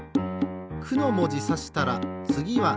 「く」のもじさしたらつぎは「ね」だ。